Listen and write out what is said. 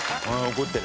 怒ってる？